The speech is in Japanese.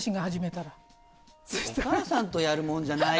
お母さんとやるもんじゃない。